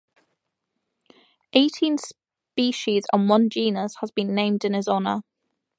Eighteen species and one genus have been named in his honour.